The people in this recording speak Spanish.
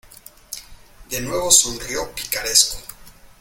de nuevo sonrió picaresco.